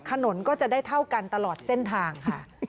ถนนก็จะได้เท่ากันตลอดเส้นทางค่ะ